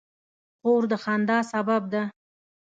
خور د خندا سبب ده.